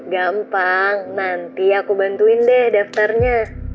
gampang nanti aku bantuin deh daftarnya